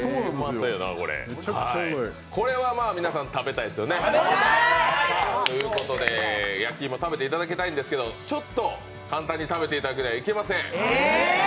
これは食べたいですよねということで、やきいも食べていただきたいんですけどちょっと簡単に食べていただくわけにはいきません。